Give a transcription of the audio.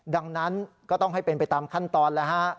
ดังนั้นก็ต้องให้เป็นไปตามขั้นตอนแล้วฮะ